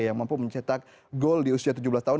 yang mampu mencetak gol di usia tujuh belas tahun